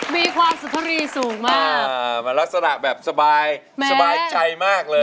มีความสุขรีสูงมากมันลักษณะแบบสบายสบายใจมากเลย